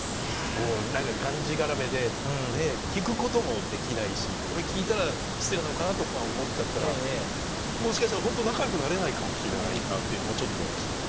もう何かがんじがらめでねえ聞くこともできないしこれ聞いたら失礼なのかなとか思っちゃったらもしかしたら本当仲良くなれないかもしれないなっていうのもちょっと思いました。